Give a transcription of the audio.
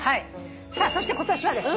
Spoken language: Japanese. そして今年はですね